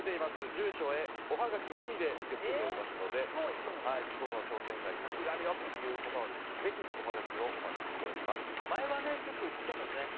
住所へおはがきのみで受け付けておりますので地方の商店街活気があるよという方はぜひ、おはがきを前は結構、行っていたもんね。